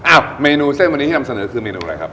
เมนูเส้นวันนี้ที่นำเสนอคือเมนูอะไรครับ